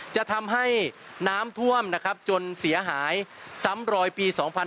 จะทำให้น้ำท่วมนะครับจนเสียหายซ้ำรอยปี๒๕๕๙